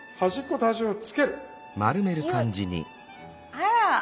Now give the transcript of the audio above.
あら。